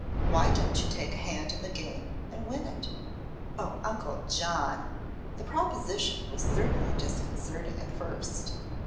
Why don't you take a hand in the game and win it?" "Oh, Uncle John!" The proposition was certainly disconcerting at first.